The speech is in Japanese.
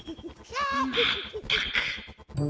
まったく。